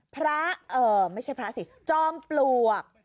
พระเอ่อไม่ใช่พระสิจอมปลวก